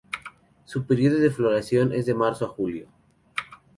Su periodo de floración es de marzo a julio.